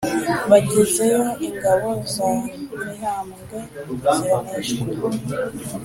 bagezeyo ingabo za mihambwe ziraneshwa